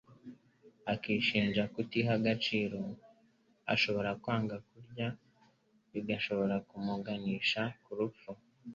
akishinja kutiha agaciro. Ashobora kwanga kurya bigashobora ku muganisha ku rupfu